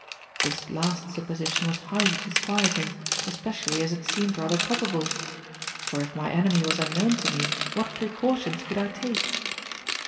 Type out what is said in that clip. This last supposition was highly disquieting, especially as it seemed rather probable; for if my enemy was unknown to me, what precautions could I take?